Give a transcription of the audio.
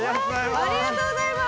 ありがとうございます！